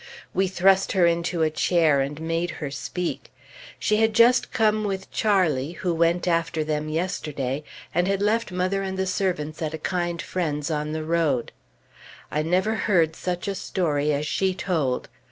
We thrust her into a chair, and made her speak. She had just come with Charlie, who went after them yesterday; and had left mother and the servants at a kind friend's, on the road. I never heard such a story as she told.